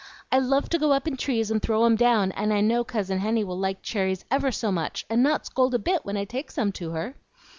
I love to go up in trees and throw 'em down; and I know Cousin Henny will like cherries ever so much, and not scold a bit when I take some to her."